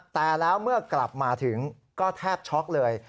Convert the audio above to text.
แต่แล้วเมื่อกลับมาถึงก็แทบช็อกเลย